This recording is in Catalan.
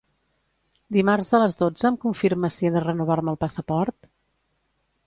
Dimarts a les dotze em confirmes si he de renovar-me el passaport?